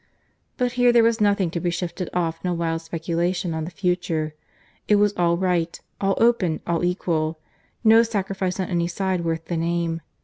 But here there was nothing to be shifted off in a wild speculation on the future. It was all right, all open, all equal. No sacrifice on any side worth the name.